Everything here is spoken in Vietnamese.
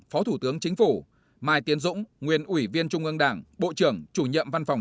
phó thủ tướng chính phủ mai tiến dũng nguyên ủy viên trung ương đảng bộ trưởng chủ nhiệm văn phòng